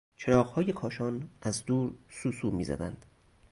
چراغهای کاشان از دور سوسو میزدند.